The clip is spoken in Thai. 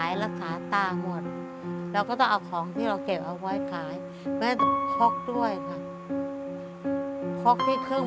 เพราะว่าค่าที่จ่ายมันสูง